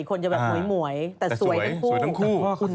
อีกคนจะแบบหมวยแต่สวยทั้งคู่